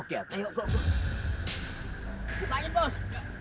cepat aja bos